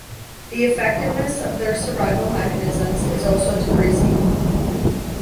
The effectiveness of their survival mechanisms is also decreasing.